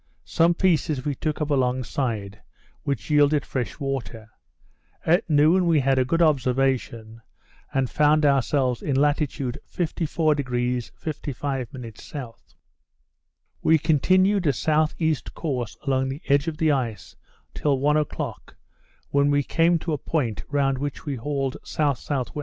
Some pieces we took up along side, which yielded fresh water. At noon we had a good observation, and found ourselves in latitude 54° 55' S. We continued a south east course along the edge of the ice, till one o'clock, when we came to a point round which we hauled S.S.W.